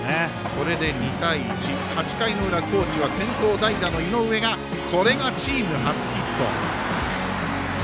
これで２対１８回の裏、高知は先頭代打の井上がこれがチーム初ヒット。